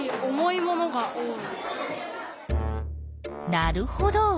なるほど。